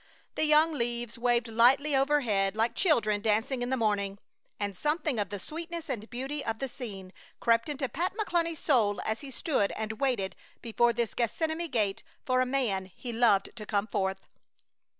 The young leaves waved lightly overhead like children dancing in the morning, and something of the sweetness and beauty of the scene crept into Pat McCluny's soul as he stood and waited before this Gethsemane gate for a man he loved to come forth.